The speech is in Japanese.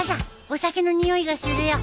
お酒のにおいがするよ。